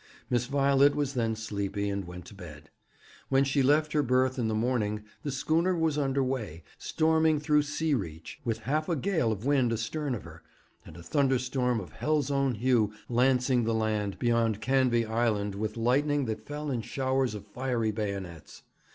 Miss Violet was then sleepy, and went to bed. When she left her berth in the morning the schooner was under weigh, storming through Sea Reach, with half a gale of wind astern of her, and a thunderstorm of hell's own hue lancing the land beyond Canvey Island with lightning that fell in showers of fiery bayonets.